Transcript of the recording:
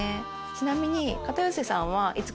ちなみに。